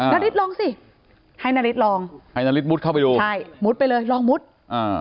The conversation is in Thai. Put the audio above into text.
นาริสลองสิให้นาริสลองให้นาริสมุดเข้าไปดูใช่มุดไปเลยลองมุดอ่า